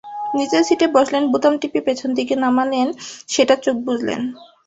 নিজের সিটে বসলেন, বোতাম টিপে পেছন দিকে নামালেন সেটা, চোখ বুজলেন।